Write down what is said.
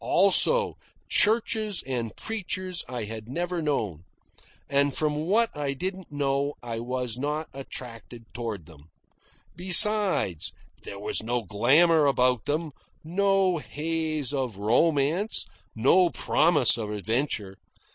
Also, churches and preachers I had never known. And from what I didn't know I was not attracted toward them. Besides, there was no glamour about them, no haze of romance, no promise of adventure.